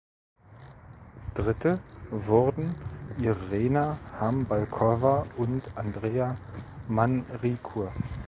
Dritte wurden Irena Hambalkova und Andrea Manrique.